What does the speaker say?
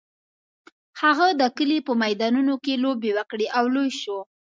هغه د کلي په میدانونو کې لوبې وکړې او لوی شو.